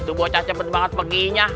itu bocah cepet banget peginya